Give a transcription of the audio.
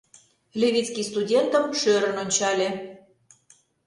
— Левицкий студентым шӧрын ончале.